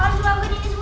harus ngambil ini semua